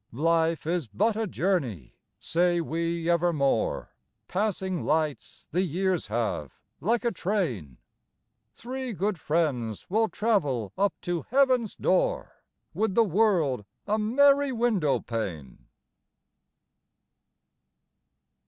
Life is but a journey, say we evermore, Passing lights the years have, like a train; Three good friends will travel up to heaven's door, With the world a merry window pane.